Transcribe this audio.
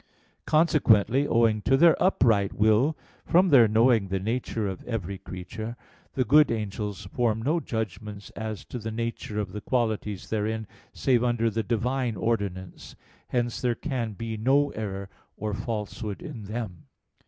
Consequently, owing to their upright will, from their knowing the nature of every creature, the good angels form no judgments as to the nature of the qualities therein, save under the Divine ordinance; hence there can be no error or falsehood in them.